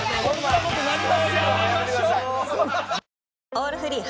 「オールフリー」